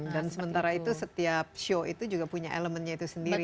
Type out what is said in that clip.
dan sementara itu setiap shionya itu juga punya elemennya itu sendiri